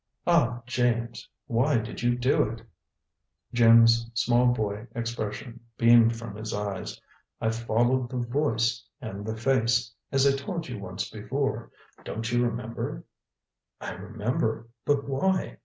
"Ah, James! Why did you do it?" Jim's small boy expression beamed from his eyes. "I followed the Voice and the Face as I told you once before. Don't you remember?" "I remember. But why?"